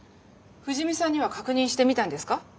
藤見さんには確認してみたんですか？